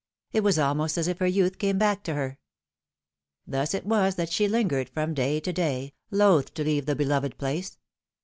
It was almost as if ker youth came back to her. Thus it was that she lingered from day to day, loth to leave the beloved place.